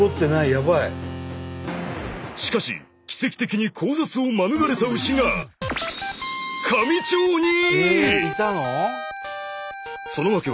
しかし奇跡的に交雑を免れた牛が香美町に！